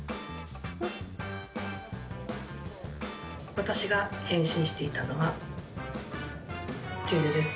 私が変身していたのはＪＵＪＵです。